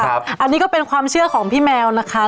อันนี้ก็เป็นความเชื่อของพี่แมวนะคะ